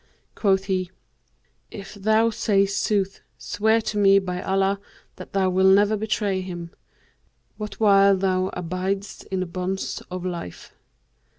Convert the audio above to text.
Quoth he, 'If thou say sooth, swear to me by Allah that thou wilt never betray him, what while thou abidest in the bonds of life.'